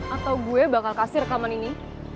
atau gue bakal kasih rekaman ini